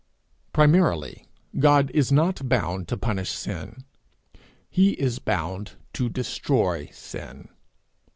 Primarily, God is not bound to punish sin; he is bound to destroy sin.